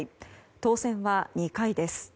当選は２回です。